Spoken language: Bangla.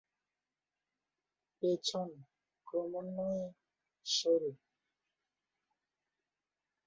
পেছন ক্রমান্বয়ে সরু।